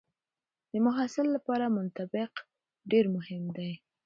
د محصل لپاره منطق ډېر مهم دی.